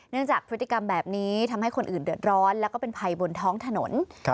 จากพฤติกรรมแบบนี้ทำให้คนอื่นเดือดร้อนแล้วก็เป็นภัยบนท้องถนน